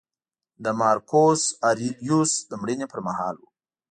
د مارکوس اریلیوس د مړینې پرمهال و